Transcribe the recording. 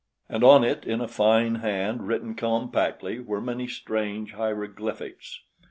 And on it, in a fine hand, written compactly, were many strange hieroglyphics!